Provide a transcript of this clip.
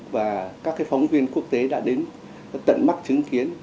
và các phóng viên quốc tế đã đến tận mắt chứng kiến